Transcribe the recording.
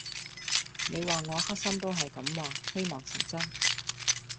你話我黑心都係咁話，希望成真